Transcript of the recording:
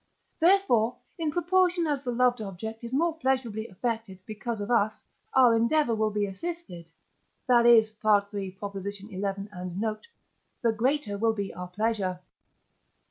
Therefore, in proportion as the loved object is more pleasurably affected because of us, our endeavour will be assisted. that is (III. xi. and note) the greater will be our pleasure.